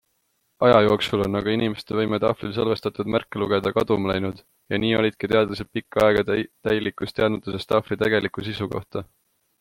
Aja jooksul on aga inimeste võime tahvlil salvestatud märke lugeda kaduma läinud ja nii olidki teadlased pikka aega täilikus teadmatuses tahvli tegeliku sisu kohta.